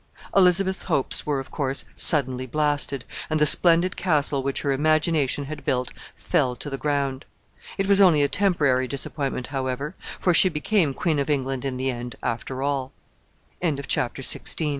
Elizabeth's hopes were, of course, suddenly blasted, and the splendid castle which her imagination had built fell to the ground. It was only a temporary disappointment, however, for she became Queen of England in the end, after all. CHAPTE